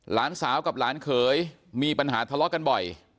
หลานสาวกับหลานเขยมีปัญหาทะเลาะกันบ่อย